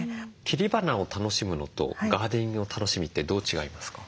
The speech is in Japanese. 切り花を楽しむのとガーデニングの楽しみってどう違いますか？